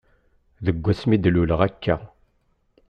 Deg wasmi d-luleɣ akka.